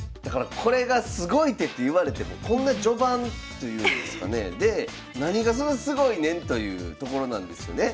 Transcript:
これがすごい手っていわれてもこんな序盤というんですかねえで何がそんなすごいねんというところなんですよね。